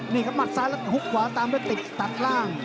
นี่ครับมัดซ้ายแล้วหุกขวาตามด้วยติดตัดล่าง